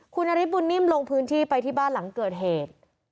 คุณนฤทธบุญนิ่มลงพื้นที่ไปที่บ้านหลังเกิดเหตุ